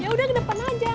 yaudah ke depan aja